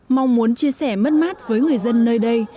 mong muốn chia sẻ mất mát với người dân nơi đây